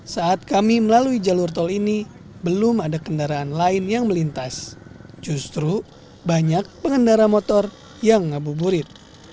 saat kami melalui jalur tol ini belum ada kendaraan lain yang melintas justru banyak pengendara motor yang ngabuburit